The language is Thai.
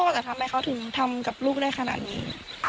จะทำให้เขาถึงทำกับลูกได้ขนาดนี้